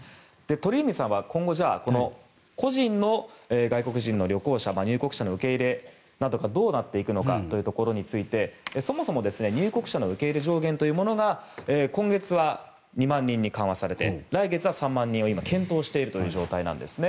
鳥海さんは今後個人の外国人の旅行者入国者の受け入れがどうなっていくかについてそもそも入国者の受け入れ上限が今月２万人に緩和され来月は３万人を検討しているという状態です。